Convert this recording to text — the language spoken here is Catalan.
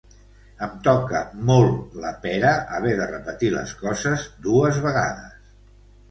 Em toca molt la pera haver de repetir les coses dues vegades.